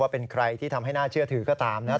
เป็นใครที่ทำให้น่าเชื่อถือก็ตามนะครับ